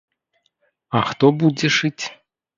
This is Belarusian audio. А хто будзе шыць?